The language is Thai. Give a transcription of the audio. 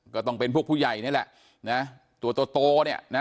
ก็ต้องเป็นพวกผู้ใหญ่นี่แหละนะฮะตัวโตโตเนี้ยนะฮะ